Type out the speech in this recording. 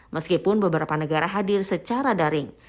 meskipun beberapa negara hadir secara daring